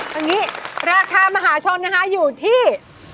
อย่างนี้ราคามหาชนอยู่ที่